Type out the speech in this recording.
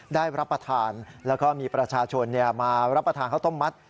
ได้รับประทานแล้วก็มีประชาชนมารับประทานข้าวต้มมัด